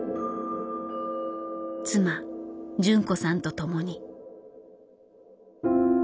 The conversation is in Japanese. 妻純子さんと共に。